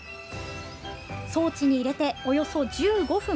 装置に入れて、およそ１５分。